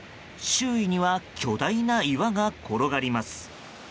周囲には巨大な岩が転がります。